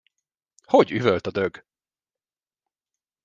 Hogy üvölt a dög!